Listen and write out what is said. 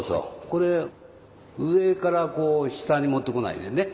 これ上からこう下に持ってこないでね。